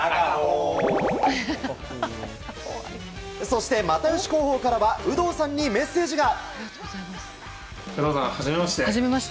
そして又吉広報からは有働さんにメッセージが。